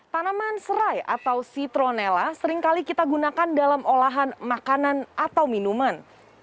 tanaman serai atau citronella seringkali kita gunakan dalam olahan makanan atau minuman